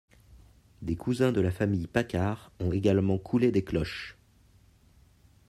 Des cousins de la famille Paccard ont également coulé des cloches.